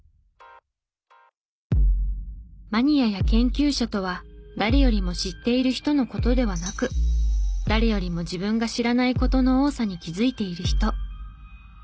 マニアや研究者とは誰よりも知っている人の事ではなく誰よりも自分が知らない事の多さに気づいている人。